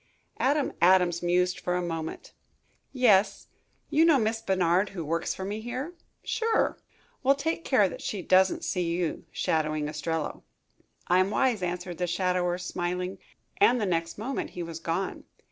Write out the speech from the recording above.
Adam Adams mused for a moment. "Yes. You know Miss Bernard, who works for me here?" "Sure." "Well, take care that she doesn't see you shadowing Ostrello." "I'm wise," answered the shadower, smiling, and the next moment he was gone.